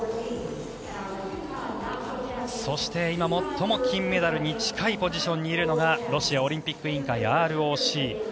そして、今、最も金メダルに近いポジションにいるのがロシアオリンピック委員会・ＲＯＣ。